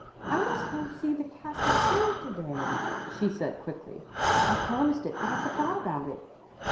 "I must go see the Castle Steward to day," she said quickly. "I promised it but I forgot about it."